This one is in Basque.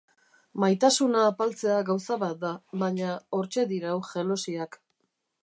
Maitasuna apaltzea gauza bat da, baina hortxe dirau jelosiak.